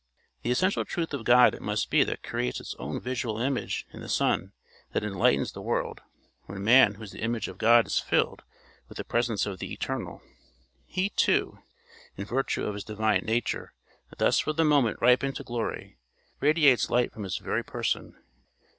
The essential truth of God it must be that creates its own visual image in the sun that enlightens the world: when man who is the image of God is filled with the presence of the eternal, he too, in virtue of his divine nature thus for the moment ripened to glory, radiates light from his very person.